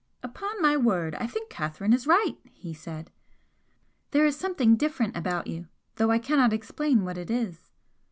"Upon my word, I think Catherine is right!" he said "There is something different about you, though I cannot explain what it is!"